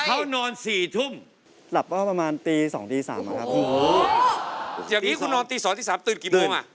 เขานอนสี่ทุ่มหลับก็ประมาณตีสองตีสามอะครับโหอย่างนี้คุณนอนตีสองตีสามตื่นกี่โมงอ่ะ